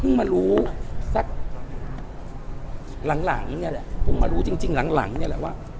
พึ่งมารู้สักหลังหลังเนี่ยแหละพึ่งมารู้จริงจริงหลังหลังเนี่ยแหละว่า